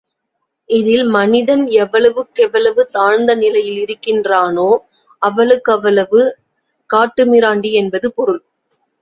இதில் மனிதன் எவ்வளவுக்கெவ்வளவு தாழ்ந்த நிலையில் இருக்கின்றானோ, அவ்வளவுக்கவ்வளவு காட்டுமிராண்டி என்பது பொருள்.